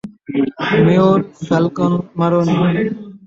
Mayor, Falcone, Maroney.